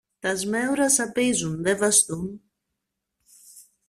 Τα σμέουρα σαπίζουν, δε βαστούν!